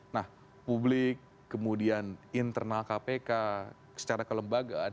nah publik kemudian internal kpk secara kelembagaan